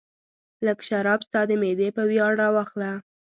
لږ شراب ستا د معدې په ویاړ راواخله.